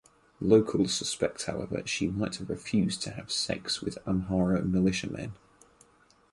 Locals suspect however she might have refused to have sex with Amhara militiamen.